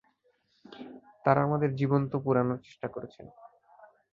তারা আমাদের জীবন্ত পুড়ানোর চেষ্টা করছে।